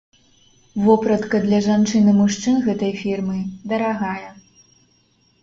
Вопратка для жанчын і мужчын гэтай фірмы дарагая.